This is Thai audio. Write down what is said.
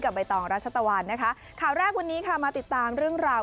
ใบตองรัชตะวันนะคะข่าวแรกวันนี้ค่ะมาติดตามเรื่องราว